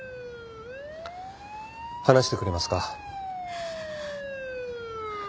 話してくれますか？